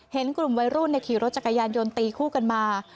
เห็นกลุ่มวัยรุ่นขี่รถจักรยานยนต์ตีคู่กันมา